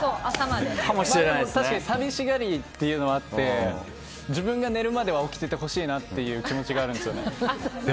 確かに寂しがりというのがあって自分が寝るまでは起きててほしいなという気持ちがあるんですよね。